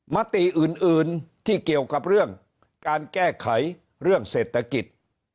มติอื่นที่เกี่ยวกับเรื่องการแก้ไขเรื่องเศรษฐกิจ